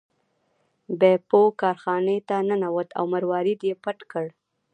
بیپو کارخانې ته ننوت او مروارید یې پټ کړ.